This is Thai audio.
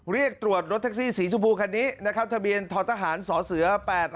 เรียกตรวจรถแท็กซี่สีชมพูคันนี้นะครับทะเบียนททหารสเส๘๕